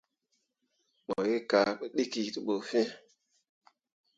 Mo gi kaa dǝkǝ te ɓu fiŋ.